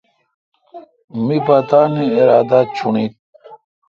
می پ تانی ارادا چݨیل۔